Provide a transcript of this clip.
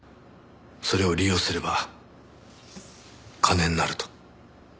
それを利用すれば金になると。